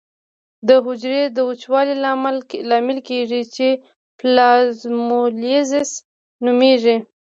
د حجرې د وچوالي لامل کیږي چې پلازمولیزس نومېږي.